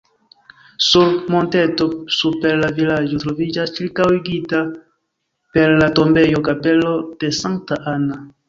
Sur monteto super la vilaĝo troviĝas, ĉirkaŭigita per la tombejo, kapelo de Sankta Anna.